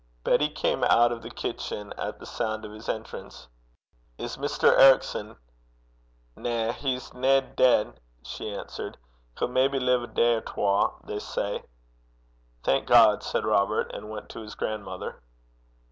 Betty came out of the kitchen at the sound of his entrance. 'Is Mr. Ericson ?' 'Na; he's nae deid,' she answered. 'He'll maybe live a day or twa, they say.' 'Thank God!' said Robert, and went to his grandmother.